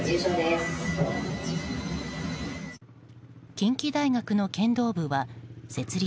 近畿大学の剣道部は設立